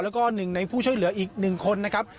แล้วก็หนึ่งในผู้ช่วยเหลืออีก๑คนนะครับ